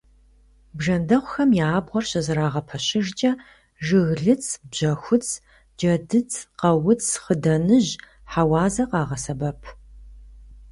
Бжэндэхъухэм я абгъуэр щызэрагъэпэщыжкӀэ жыглыц, бжьэхуц, джэдыц, къауц, хъыданыжь, хьэуазэ къагъэсэбэп.